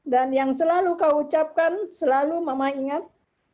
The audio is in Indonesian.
dan yang selalu kau ucapkan selalu mama ingat